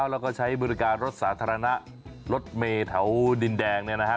แล้วก็ใช้บริการรถสาธารณะรถเมย์แถวดินแดงเนี่ยนะครับ